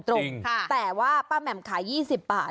ตรงแต่ว่าป้าแหม่มขาย๒๐บาท